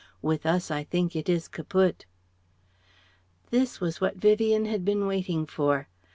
With us I think it is Kaput." This was what Vivien had been waiting for.